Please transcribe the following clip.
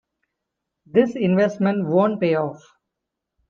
This investment won't pay off.